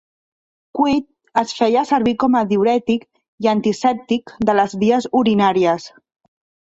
Cuit es feia servir com a diürètic i antisèptic de les vies urinàries.